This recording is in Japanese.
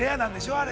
あれ。